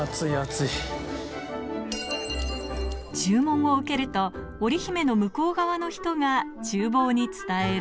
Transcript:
注文を受けると、オリヒメの向こう側の人がちゅう房に伝える。